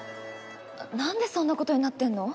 なんでそんなことになってんの？